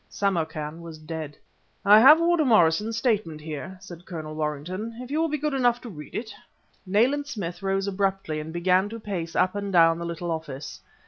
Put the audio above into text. Samarkan was dead. "I have Warder Morrison's statement here," said Colonel Warrington, "if you will be good enough to read it " Nayland Smith rose abruptly, and began to pace up and down the little office.